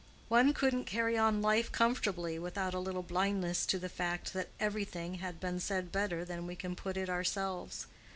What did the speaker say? One couldn't carry on life comfortably without a little blindness to the fact that everything had been said better than we can put it ourselves.